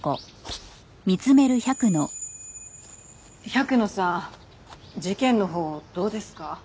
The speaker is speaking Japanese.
百野さん事件のほうどうですか？